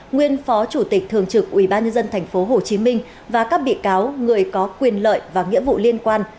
nguyên phó chủ tịch thường trực ubnd tp hcm và các bị cáo người có quyền lợi và nghĩa vụ liên quan